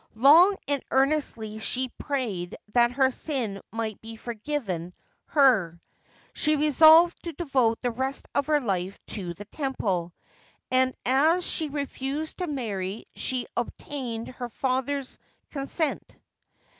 Long and earnestly she prayed that her sin might be forgiven her. She resolved to devote the rest of her life to the temple, and as she refused to marry she obtained her fathsrls consent.